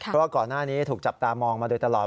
เพราะว่าก่อนหน้านี้ถูกจับตามองมาโดยตลอด